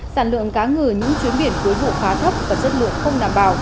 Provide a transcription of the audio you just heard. sản lượng cá ngừ những chuyến biển cuối vụ khá thấp và chất lượng không đảm bảo